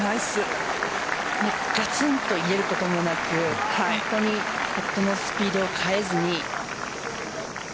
ガツンと入れることもなくパットのスピードを変えずに。